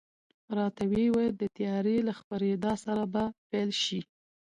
راته وې ویل، د تیارې له خپرېدا سره به پیل شي.